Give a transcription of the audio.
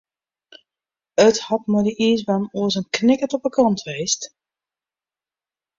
It hat mei dy iisbaan oars in knikkert op de kant west.